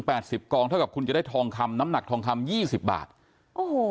สิบกองเท่ากับคุณจะได้ทองคำน้ำหนักทองคำยี่สิบบาทโอ้โห